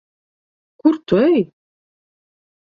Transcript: Kur tu ej?